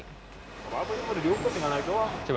tidak apa apa sudah diukur tidak naik saja